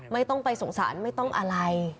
ไม่ต้องไปสงสารไม่ต้องอะไร